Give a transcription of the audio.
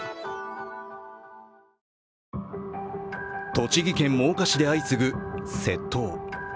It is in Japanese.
栃木県真岡市で相次ぐ窃盗。